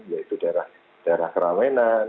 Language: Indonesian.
yaitu daerah keramenan